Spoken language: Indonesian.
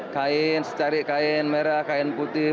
kain secari kain merah kain putih